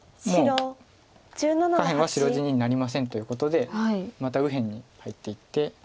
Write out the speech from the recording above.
「もう下辺は白地になりません」ということでまた右辺に入っていって。